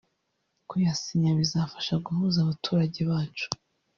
Kuyasinya bizafasha guhuza abaturage bacu